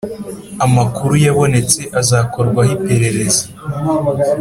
amakuru yabonetse azakorwaho iperereza.